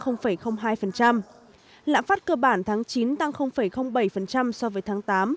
lạm phát cơ bản tháng chín tăng bảy so với tháng tám